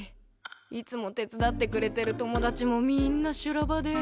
いつも手伝ってくれてる友達もみんな修羅場で。